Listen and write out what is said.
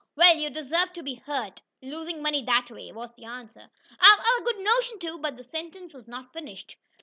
"Well, you deserve to be hurt, losing money that way," was the answer. "I I've a good notion to " But the sentence was not finished.